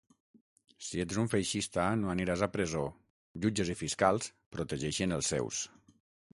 Si ets un feixista no aniràs a presó, jutges i fiscals protegeixen els seus.